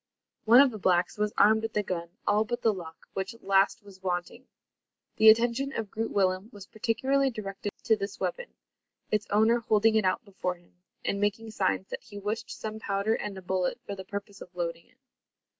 One of the blacks was armed with a gun, all but the lock, which last was wanting! The attention of Groot Willem was particularly directed to this weapon, its owner holding it out before him, and making signs that he wished some powder and a bullet for the purpose of loading it.